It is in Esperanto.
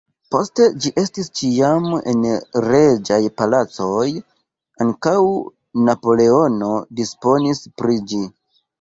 Poste ĝi estis ĉiam en reĝaj palacoj, ankaŭ Napoleono disponis pri ĝi.